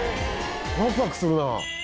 ワクワクするなあ。